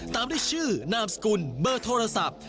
ตามด้วยชื่อนามสกุลเบอร์โทรศัพท์